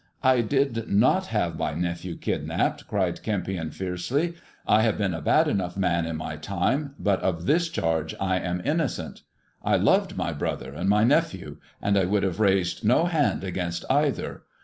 " I did not have my nephew kidnapped !" cried Kempion fiercely. " I have been a bad enough man in my time, but of this charge I am innocent. I loved my brother and my nephew, and I would have raised no hand against either.